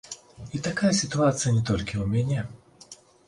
І такая сітуацыя не толькі ў мяне.